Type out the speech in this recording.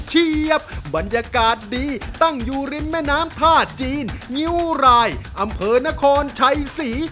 เชียบบรรยากาศดีตั้งอยู่ริมแม่น้ำท่าจีนงิ้วรายอำเภอนครชัยศรี